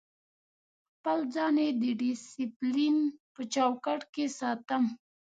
خپل ځان د ډیسپلین په چوکاټ کې ساتم.